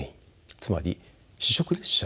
つまり試食列車を企画